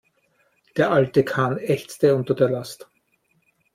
Der alte Kahn ächzte unter der Last.